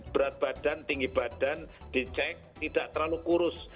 berat badan tinggi badan di cek tidak terlalu kurus